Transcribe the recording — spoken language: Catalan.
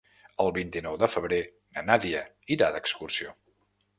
El vint-i-nou de febrer na Nàdia irà d'excursió.